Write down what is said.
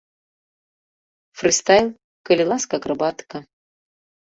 Фрыстайл, калі ласка акрабатыка.